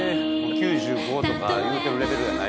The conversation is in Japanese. ９５とか言うてるレベルやない。